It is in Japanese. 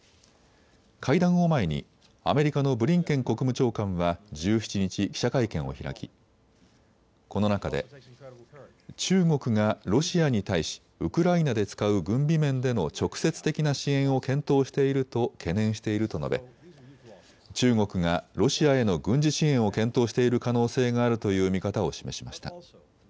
会談を前にアメリカのブリンケン国務長官は１７日、記者会見を開きこの中で中国がロシアに対しウクライナで使う軍備面での直接的な支援を検討していると懸念していると述べ中国がロシアへの軍事支援を検討している可能性があるという見方を示しました。